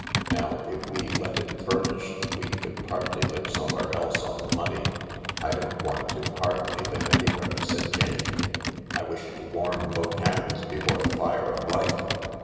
Now, if we let it furnished, we could partly live somewhere else on the money." " I don't want to 'partly' live anywhere," said Jane* " I wish to warm both hands before the fire of life."